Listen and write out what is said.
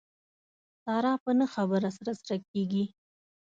ساره په نه خبره سره سره کېږي.